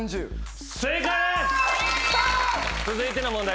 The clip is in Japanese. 続いての問題